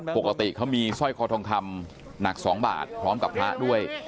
ปกติเขามีสร้อยคอทองคำหนัก๒บาทพร้อมกับพระด้วย